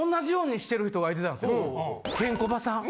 ケンコバさん。